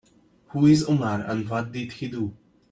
Who is Omar and what did he do?